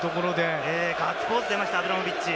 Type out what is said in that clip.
ガッツポーズ出ました、アブラモビッチ。